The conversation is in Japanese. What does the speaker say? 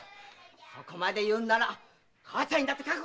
そこまで言うんなら母ちゃんにだって覚悟はあるよ！